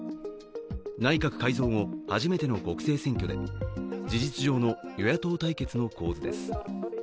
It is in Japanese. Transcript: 内閣改造後、初めての国政選挙で、事実上の与野党対決の構図です。